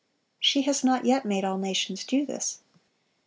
She has not yet made all nations do this.